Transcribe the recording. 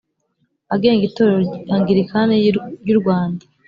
agenga Itorero Anglikani ry u Rwanda